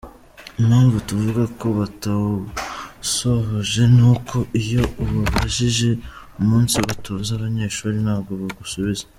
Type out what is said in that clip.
Impamvu tuvuga ko batawusohoje ni uko iyo ubabajije umunsi batoza abanyeshuri, ntabwo bagusubiza.